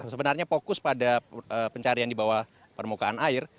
sebenarnya fokus pada pencarian di bawah permukaan air